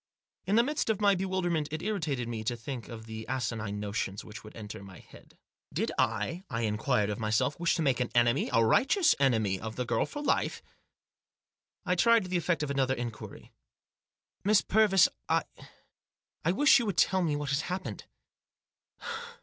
In the midst of my bewilderment it irritated me to think of the asinine notions which would enter my head. Did I, I inquired of myself, wish to make an enemy, a righteous enemy, of the girl for life ? I tried the effect of another inquiry. "Miss Purvis, I — I wish you would tell me what has happened."